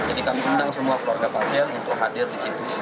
jadi kami cintakan semua keluarga pasien untuk hadir di situ